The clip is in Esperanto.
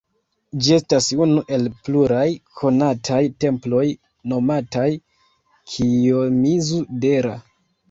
Ĝi estas unu el pluraj konataj temploj nomataj Kijomizu-dera.